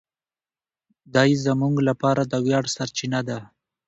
دی زموږ لپاره د ویاړ سرچینه ده.